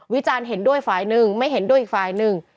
วิจารณ์เห็นด้วยฝ่ายหนึ่งไม่เห็นด้วยอีกฝ่ายหนึ่ง